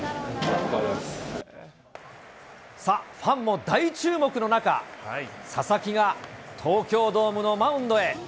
さあ、ファンも大注目の中、佐々木が東京ドームのマウンドへ。